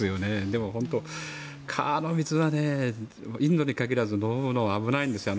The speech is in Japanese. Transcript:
でも、川の水はねインドに限らず飲むのは危ないんですよ。